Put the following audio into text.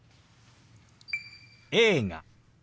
「映画」。